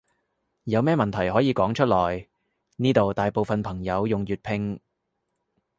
有咩問題可以講出來，呢度大部分朋友用粵拼